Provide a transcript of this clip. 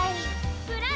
ブラウン！